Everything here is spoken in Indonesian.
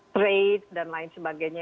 trade dan lain sebagainya